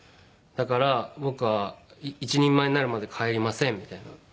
「だから僕は一人前になるまで帰りません」みたいな。